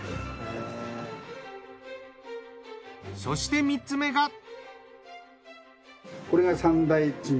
そして３つ目が。